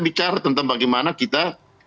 bicara tentang bagaimana kita